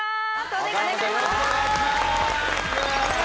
お願いします